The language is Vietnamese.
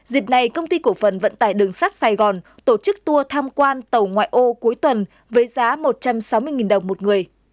dịp này công ty cổ phần vận tải đường sắt sài gòn tổ chức tour tham quan tàu ngoại ô cuối tuần với giá một trăm sáu mươi đồng một người